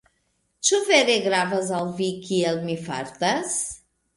Ĉu vere gravas al vi kiel mi fartas?